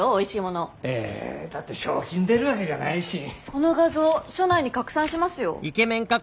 この画像署内に拡散しますよ。